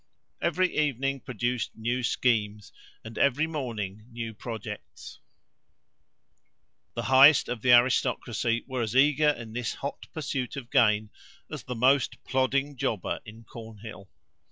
Every evening produced new schemes, and every morning new projects. The highest of the aristocracy were as eager in this hot pursuit of gain as the most plodding jobber in Cornhill.